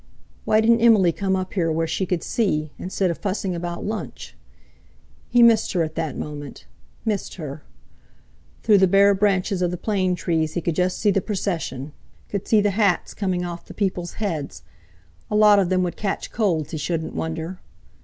Why didn't Emily come up here where she could see, instead of fussing about lunch. He missed her at that moment—missed her! Through the bare branches of the plane trees he could just see the procession, could see the hats coming off the people's heads—a lot of them would catch colds, he shouldn't wonder!